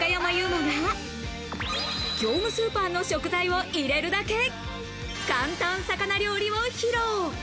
馬が業務スーパーの食材を入れるだけ、簡単魚料理を披露。